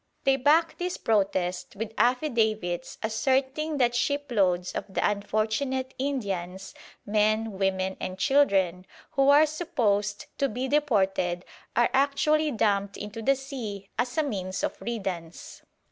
They back this protest with affidavits asserting that shiploads of the unfortunate Indians, men, women and children, who are supposed to be deported are actually dumped into the sea as a means of riddance.